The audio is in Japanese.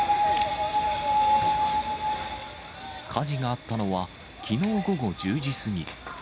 火事があったのはきのう午後１０時過ぎ。